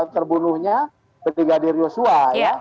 terbunuhnya ketiga diri usua